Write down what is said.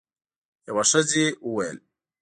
یوه ښځه وویل: